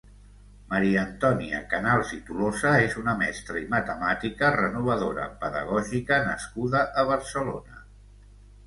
Maria Antònia Canals i Tolosa és una mestra i matemàtica, renovadora pedagògica nascuda a Barcelona.